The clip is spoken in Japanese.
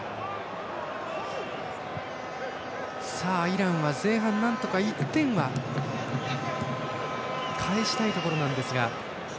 イランは前半なんとか１点は返したいところですが。